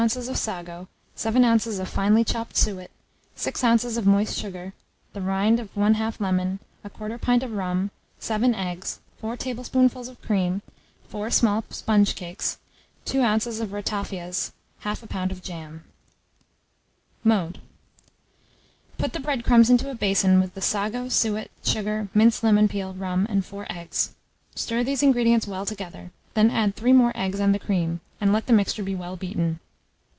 of sago, 7 oz. of finely chopped suet, 6 oz. of moist sugar, the rind of 1/2 lemon, 1/4 pint of rum, 7 eggs, 4 tablespoonfuls of cream, 4 small sponge cakes, 2 oz. of ratafias, 1/2 lb. of jam. Mode. Put the bread crumbs into a basin with the sago, suet, sugar, minced lemon peel, rum, and 4 eggs; stir these ingredients well together, then add 3 more eggs and the cream, and let the mixture be well beaten.